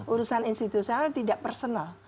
urusan institusional tidak personal